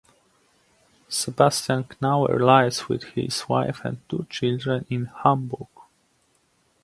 Sebastian Knauer lives with his wife and two children in Hamburg.